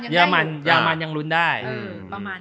เยอร์มันนยังได้อยู่